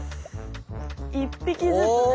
１匹ずつね。